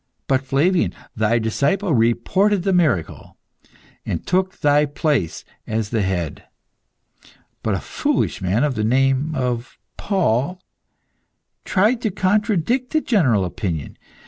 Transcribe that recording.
But Flavian, thy disciple, reported the miracle, and took thy place as the head. But a foolish man, of the name of Paul, tried to contradict the general opinion.